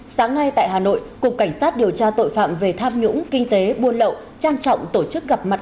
sáng nay tại hà nội cục cảnh sát điều tra tội phạm về tham nhũng kinh tế buôn lậu trang trọng tổ chức gặp mặt